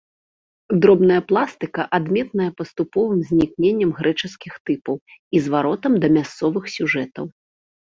Дробная пластыка адметная паступовым знікненнем грэчаскіх тыпаў і зваротам да мясцовых сюжэтаў.